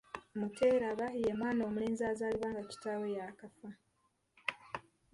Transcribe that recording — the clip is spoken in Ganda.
Muteeraba ye mwana omulenzi azaalibwa nga kitaawe yafa.